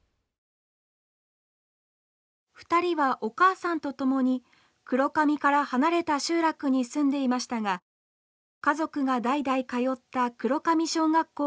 ２人はお母さんと共に黒神から離れた集落に住んでいましたが家族が代々通った黒神小学校に入学。